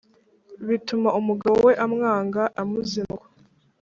bituma umugabo we amwanga aramuzinukwa